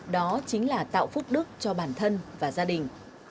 đó chính là tạo phúc đức cho bản thân và gia đình